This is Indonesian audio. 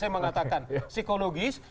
saya mengatakan psikologis